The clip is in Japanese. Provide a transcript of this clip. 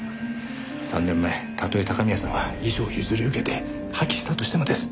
３年前たとえ高宮さんが遺書を譲り受けて破棄したとしてもです。